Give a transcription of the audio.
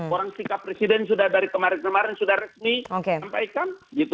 orang sikap presiden sudah dari kemarin kemarin sudah resmi sampaikan